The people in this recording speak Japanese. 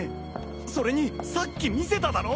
それにさっき見せただろ？